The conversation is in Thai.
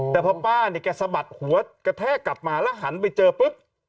แต่พอป้าเนี่ยแกสะบัดหัวกระแทกกลับมาแล้วหันไปเจอปุ๊บ